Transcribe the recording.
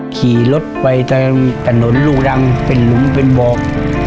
ขี่รถไปทางถนนลูกรังเป็นหลุมเป็นบ่อ